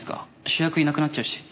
主役いなくなっちゃうし。